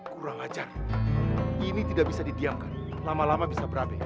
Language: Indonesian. kurang ajar ini tidak bisa didiamkan lama lama bisa berabai